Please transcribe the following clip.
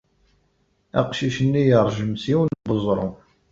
Aqcic-nni yeṛjem s yiwen n weẓru.